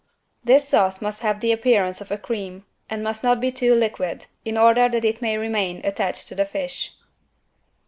This sauce must have the appearance of a cream and must not be too liquid, in order that it may remain attached to the fish.